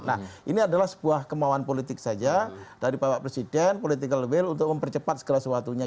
nah ini adalah sebuah kemauan politik saja dari bapak presiden political will untuk mempercepat segala sesuatunya